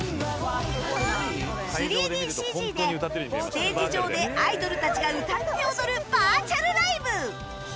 ３ＤＣＧ でステージ上でアイドルたちが歌って踊るバーチャルライブ